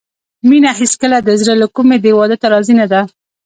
مينه هېڅکله د زړه له کومې دې واده ته راضي نه ده